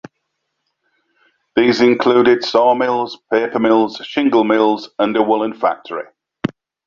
These included saw mills, paper mills, shingle mills, and a woolen factory.